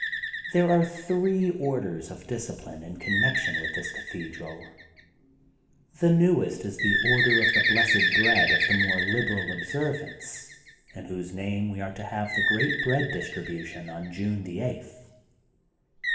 There are three orders of discipUne in connec tion with this Cathedral. The newest is the Order of the Blessed Bread of the More Lib eral Observance, in whose name we are to have the great bread distribution on June the eighth.